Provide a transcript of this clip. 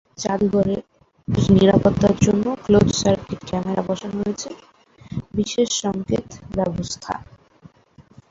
জাদুঘরের নিরাপত্তার জন্য ক্লোজ সার্কিট ক্যামেরা বসানো হয়েছে, রয়েছে বিশেষ সংকেত ব্যবস্থা।